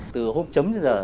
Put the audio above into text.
từ hôm chấm đến giờ